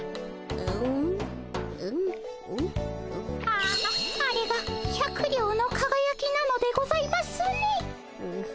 あああれが百両のかがやきなのでございますね。